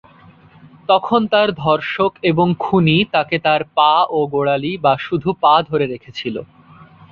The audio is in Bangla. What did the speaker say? তখন তার ধর্ষক এবং খুনি তাকে তার পা ও গোড়ালি বা শুধু পা ধরে রেখেছিল।